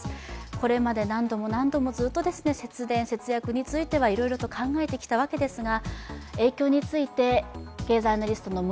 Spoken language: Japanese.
これまで何度も何度もずっと節電・節約についてはいろいろと考えてきたわけですが。